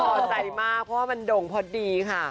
พอใจมากเพราะว่ามันด่งพอดีค่ะ